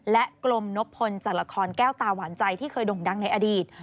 และกลมนบพลจากละครแก้วตาหวานใจที่เคยด่งดังในอดีต